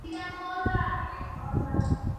Actualmente se usa como paseo peatonal.